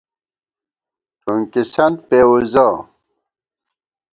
ٹھُونکِسنت پېوُزہ